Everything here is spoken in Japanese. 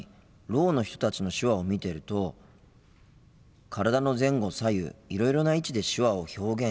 ろうの人たちの手話を見てると体の前後左右いろいろな位置で手話を表現してるもんなあ。